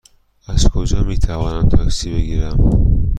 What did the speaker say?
از کجا می توانم تاکسی بگیرم؟